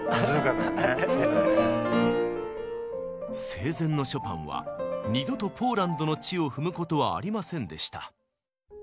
生前のショパンは二度とポーランドの地を踏むことはありませんでした。